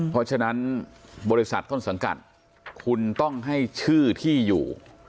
เพราะฉะนั้นบริษัทต้นสังกัดคุณต้องให้ชื่อที่อยู่